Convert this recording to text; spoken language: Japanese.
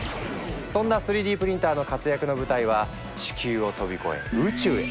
そんな３Ｄプリンターの活躍の舞台は地球を飛び越え宇宙へ！